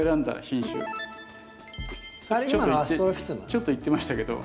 ちょっと言ってましたけど。